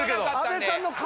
阿部さんの顔！